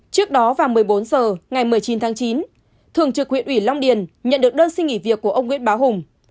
trước đó vào một mươi bốn h ngày một mươi chín tháng chín thường trực huyện huyện long điền nhận được đơn suy nghĩ việc của ông nguyễn bá hùng